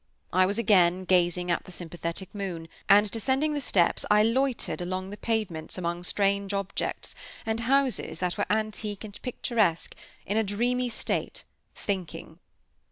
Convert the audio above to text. I was again gazing at the sympathetic moon, and descending the steps I loitered along the pavements among strange objects, and houses that were antique and picturesque, in a dreamy state, thinking.